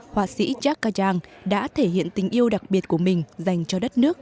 họa sĩ jacques cajang đã thể hiện tình yêu đặc biệt của mình dành cho đất nước